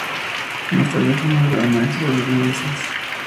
Más tarde fue nombrada maestra de novicias.